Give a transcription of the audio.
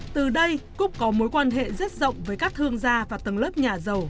từ đây cúc có mối quan hệ rất rộng với các thương gia và tầng lớp nhà giàu